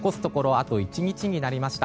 あと１日になりました。